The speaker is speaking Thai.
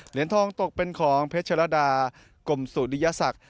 เหรียญทองตกเป็นของเพชรดากลมสุริยศักดิ์